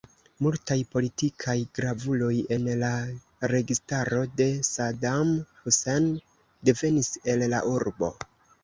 Multaj politikaj gravuloj en la registaro de Saddam Hussein devenis el la urbo.